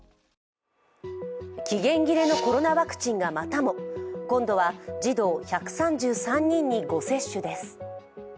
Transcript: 期限切れのコロナワクチンがまたも。今度は児童１３３人に誤接種です。